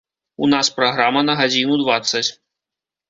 У нас праграма на гадзіну дваццаць.